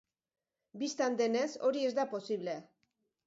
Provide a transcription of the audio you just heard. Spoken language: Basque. Bistan denez, hori ez da posible.